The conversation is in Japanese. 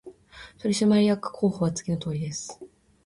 取締役候補者は次のとおりです